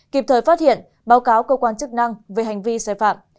kịp thời phát hiện báo cáo cơ quan chức năng về hành vi sai phạm